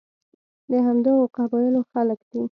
د همدغو قبایلو خلک دي.